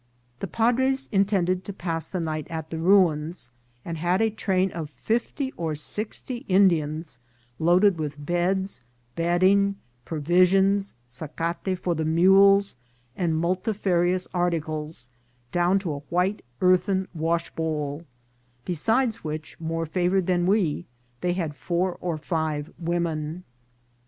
The padres intended to pass the night at the ruins, and had a train of fifty or sixty Indians loaded with beds, bedding, provisions, sacate for mules, and multifarious articles, down to a white earthen washbowl ; besides which, more favoured than we, they had four or five women.